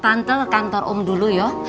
tante kantor om dulu yoh